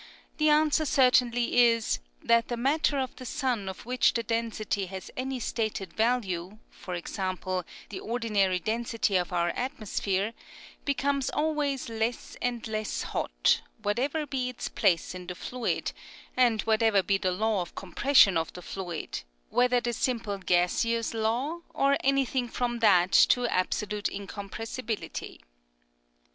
the answer certainly is, That the matter of the sun of which the density has any stated value, for example, the ordinary density of our atmosphere, becomes always less and less hot, whatever be its*^ place in the fluid, and whatever be the law of compression of the fluid, whether the simple gaseous law, or anything from that to absolute incom pressibility.